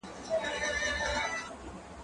که وخت وي مېوې وچوم